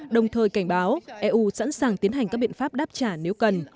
đồng thời cảnh báo eu sẵn sàng tiến hành các biện pháp đáp trả nếu cần